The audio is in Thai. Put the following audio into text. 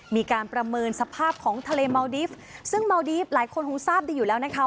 มีการประเมินสภาพของทะเลเมาดีฟซึ่งเมาดีฟหลายคนคงทราบดีอยู่แล้วนะคะ